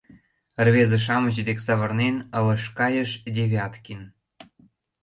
— рвезе-шамыч дек савырнен, ылыж кайыш Девяткин.